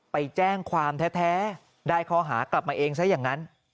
ไปแจ้งความแท้ได้ข้อหากลับมาเองซะอย่างนั้น